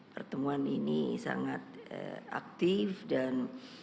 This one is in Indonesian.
pertemuan ini sangat aktif dan